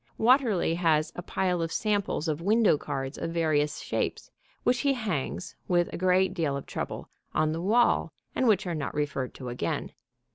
Watterly has a pile of samples of window cards of various shapes, which he hangs, with a great deal of trouble, on the wall, and which are not referred to again.